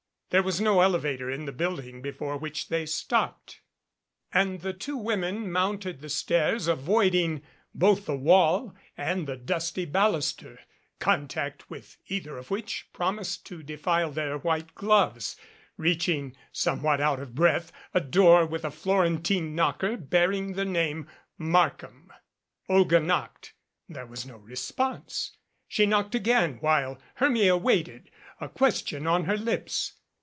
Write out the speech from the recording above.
There was no elevator in the building before which they stopped, and the two women mounted the stairs, avoiding both the wall and the dusty baluster, contact with either of which promised to defile their white gloves, reaching, somewhat out of breath, a door with a Floren tine knocker bearing the name "Markham." Olga knocked. There was no response. She knocked again while Hermia waited, a question on her lips.